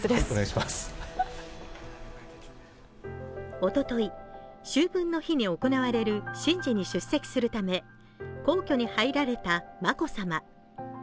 おととい、秋分の日に行われる神事に出席するため皇居にはいられた眞子さま。